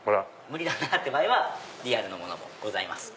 無理だなって場合はリアルのものもございます。